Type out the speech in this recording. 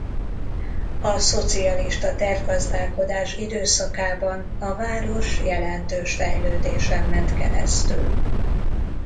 A szocialista tervgazdálkodás időszakában a város jelentős fejlődésen ment keresztül.